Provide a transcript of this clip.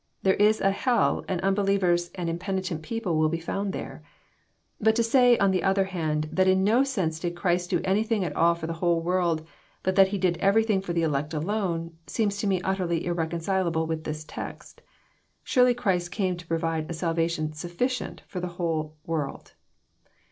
There is a hell, and unbelievers and impenitent people will be found there. — But to say, on the other hand, that in no sense did Christ do anything at all for the whole world, but that He did everything for the elect alone, seems to me utterly irreconcilable with this text. Surely Christ came to provide a salvation sufficient for the whole '* world."